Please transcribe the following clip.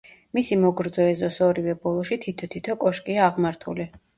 მისი მოგრძო ეზოს ორივე ბოლოში თითო-თითო კოშკია აღმართული.